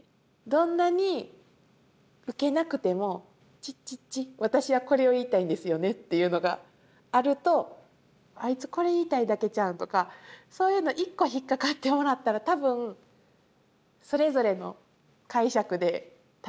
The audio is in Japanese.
どんなにウケなくてもチッチッチ私はこれを言いたいんですよねっていうのがあるとあいつこれ言いたいだけちゃうんとかそういうの１個引っ掛かってもらったら多分それぞれの解釈で楽しんでもらえるかなと思うんですけど。